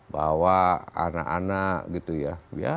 bawa anak anak gitu ya